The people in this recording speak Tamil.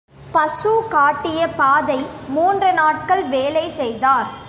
பசு காட்டிய பாதை மூன்று நாட்கள் வேலை செய்தார்